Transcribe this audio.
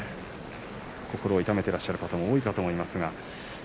心を痛めていらっしゃる方も多いと思います。